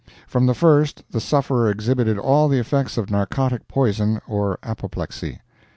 From the first the sufferer exhibited all the effects of narcotic poison or apoplexy.